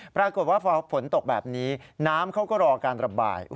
ปรากฏว่าพอฝนตกแบบนี้น้ำเขาก็รอการระบาย